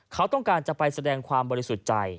เขาต้องการจะไปแสดงความบริสุทธิ์ใจ